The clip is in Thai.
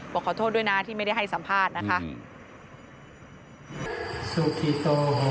บอกขอโทษด้วยนะที่ไม่ได้ให้สัมภาษณ์นะคะ